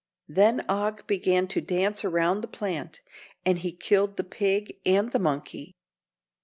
Then Og began to dance around the plant, and he killed the pig and the monkey.